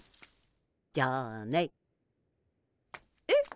じゃあね。え？